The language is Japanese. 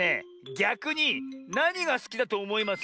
ぎゃくに「なにがすきだとおもいます？」